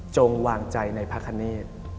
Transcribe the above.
จงวางใจในพระคณิต